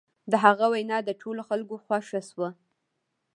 د هغه وینا د ټولو خلکو خوښه شوه.